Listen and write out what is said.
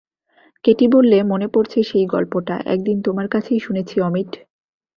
Katie বললে, মনে পড়ছে সেই গল্পটা–একদিন তোমার কাছেই শুনেছি অমিট।